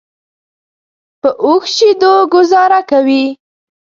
په اوښ شیدو ګوزاره کوي.